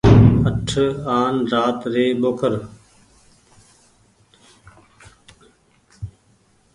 اٺ آن رآت ري ٻوکر۔